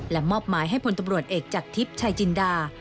มอบหมายให้พลตำรวจเอกจากทิพย์ชายจินดา